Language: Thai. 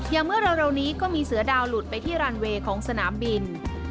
อย่างเมื่อเร็วนี้ก็มีเสือดาวหลุดไปที่รันเวย์ของสนามบิน